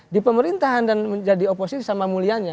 di pemerintahan dan menjadi oposisi sama mulianya